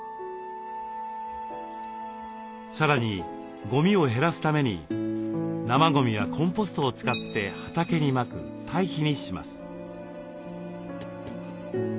さらにごみを減らすために生ごみはコンポストを使って畑にまく堆肥にします。